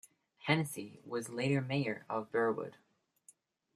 Hennessy was later mayor of Burwood.